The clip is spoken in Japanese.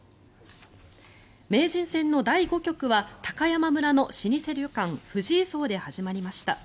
名人戦の第５局は高山村の老舗旅館、藤井荘で始まりました。